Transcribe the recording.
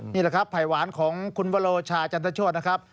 นี่แหละครับภัยหวานของคุณวโลชาจันทโชธนะครับ